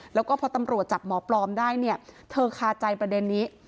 แล้วก็พอตำรวจจับหมอปลอมได้เนี่ยเธอคาใจประเด็นนี้